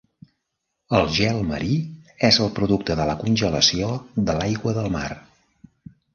El gel marí és el producte de la congelació de l'aigua del mar.